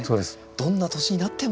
どんな年になっても。